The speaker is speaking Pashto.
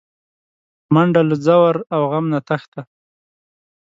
منډه له ځور او غم نه تښته